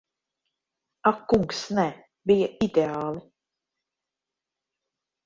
Ak kungs, nē. Bija ideāli.